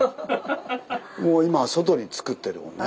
もう今外につくってるもんね。